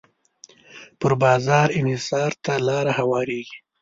پر بازار انحصار ته لاره هواریږي.